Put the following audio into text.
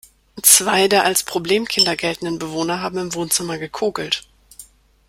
Zwei der als Problemkinder geltenden Bewohner haben im Wohnzimmer gekokelt.